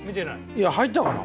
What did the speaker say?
いや入ったがな。